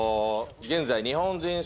現在日本人